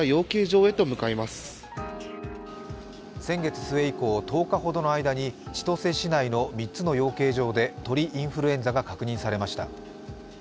先月末以降、１０日ほどの間に千歳市内の３つの養鶏場で鳥インフルエンザが確認されました。